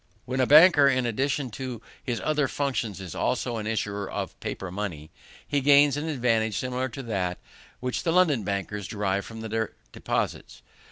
When a banker, in addition to his other functions, is also an issuer of paper money, he gains an advantage similar to that which the London bankers derive from their deposits.